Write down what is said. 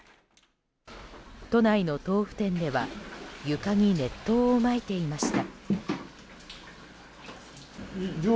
都内の豆腐店では床に熱湯をまいていました。